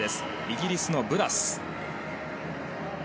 イギリスのブラス。